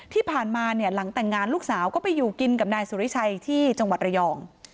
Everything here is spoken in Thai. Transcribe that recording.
ที่ผ่านมาเนี่ยหลังแต่งงานลูกสาวก็ไปอยู่กินกับนายสุริชัยที่จังหวัดระยอง